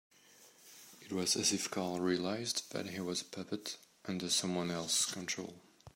It was as if Carl realised that he was a puppet under someone else's control.